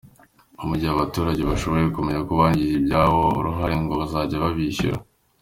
Mu gihe abaturage bashoboye kumenya ko bangirijwe ibyabo, ababigizemo uruhare ngo bazajya babyishyura.